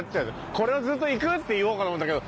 「これをずっと行く？」って言おうかと思ったけど。